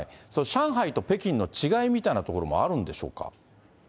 上海と北京の違いみたいなところもあるんでしょうか。